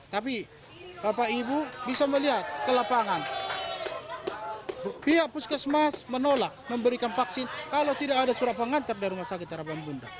tapi bapak ibu bisa melihat ke lapangan pihak puskesmas menolak memberikan vaksin kalau tidak ada surat pengantar dari rumah sakit harapan bunda